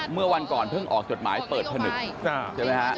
เมื่อวันก่อนเพิ่งออกจดหมายเปิดผนึกใช่ไหมฮะ